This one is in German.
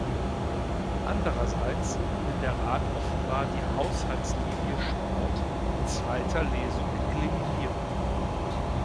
Andererseits will der Rat offenbar die Haushaltslinie Sport in zweiter Lesung eliminieren.